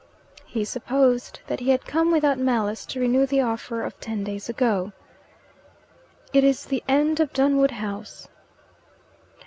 He supposed that he had come without malice to renew the offer of ten days ago. "It is the end of Dunwood House."